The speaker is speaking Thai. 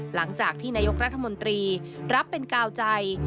หลังจากที่นายกรัฐมนตรีรับเป็นกาวใจ